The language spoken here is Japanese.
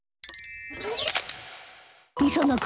磯野君！